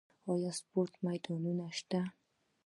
آیا سپورتي میدانونه شته؟